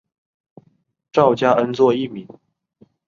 赵佳恩作艺名。